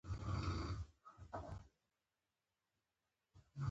د اقتصاد ډېره برخه پر استثمار ولاړه وه.